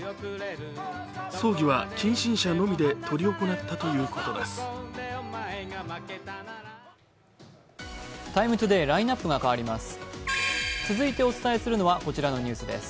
葬儀は近親者のみで執り行ったということです。